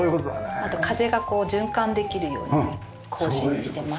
あと風が循環できるように格子にしてます。